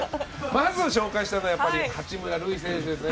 まず紹介したいのは八村塁選手ですね。